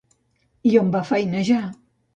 I on va feinejar?